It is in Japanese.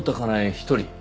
一人。